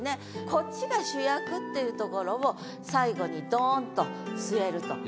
こっちが主役っていうところを最後にドンと据えると。